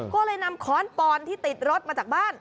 ก็เลยนำค้อนปอนที่ติดรถมาจากบ้าน